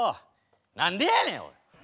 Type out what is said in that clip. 何でやねんおい！